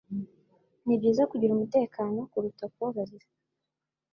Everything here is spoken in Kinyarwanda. Nibyiza kugira umutekano kuruta kubabarira